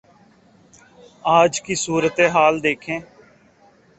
آج کی صورتحال دیکھیں۔